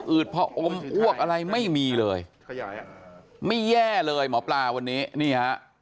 อืดเพราะอ้มอ้วกอะไรไม่มีเลยไม่แย่เลยหมอปลาวันนี้